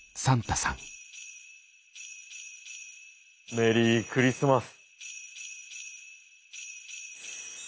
メリークリスマス。